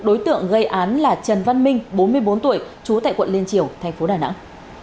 đối tượng gây án là trần văn minh bốn mươi bốn tuổi trú tại quận liên triều thành phố đà nẵng